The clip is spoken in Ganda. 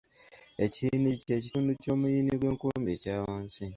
Ekiyiniggi kye kitundu ky’omuyini gw’enkumbi ekya wansi.